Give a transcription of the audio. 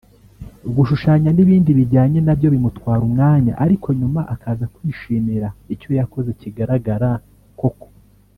gushushanya n’ibindi bijyanye nabyo bimutwara umwanya ariko nyuma akaza kwishimira icyo yakoze kigaragara koko